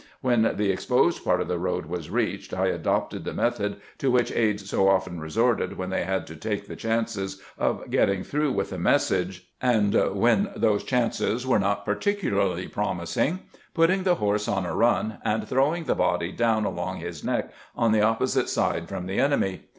When the exposed part of the road was reached, I adopted the method to which aides so often resorted when they had 93 94 CAMPAIGNING WITH GEANT to take the chances of getting througli with a message, and when those chances were not particularly promis ing*— putting the horse on a run, and throwing the body down along his neck on the opposite side from the enemy.